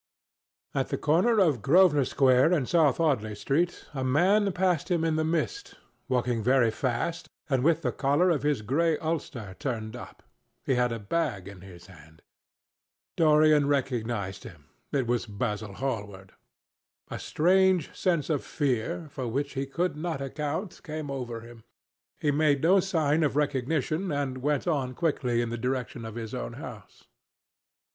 At the corner of Grosvenor Square and South Audley Street, a man passed him in the mist, walking very fast and with the collar of his grey ulster turned up. He had a bag in his hand. Dorian recognized him. It was Basil Hallward. A strange sense of fear, for which he could not account, came over him. He made no sign of recognition and went on quickly in the direction of his own house.